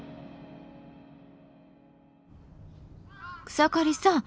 草刈さん